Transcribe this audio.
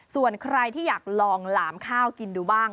ส่วนใครที่อยากลองหลามข้าวกินดูบ้าง